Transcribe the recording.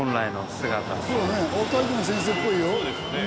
体育の先生っぽいよ。